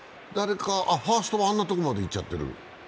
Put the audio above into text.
ファーストはあんなところまでいっちゃってる。